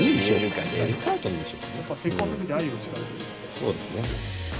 そうですね。